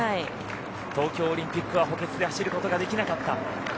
東京オリンピックは補欠で走ることができなかった。